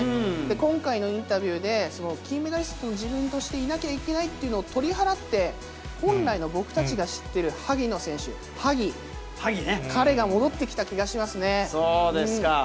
今回のインタビューで、金メダリストとしての自分でいなきゃいけないというのを取り払って、本来の僕たちが知ってる萩野選手、はぎ、彼が戻ってきた気がしますそうですか。